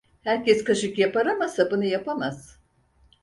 Herkes kaşık yapar ama sapını yapamaz.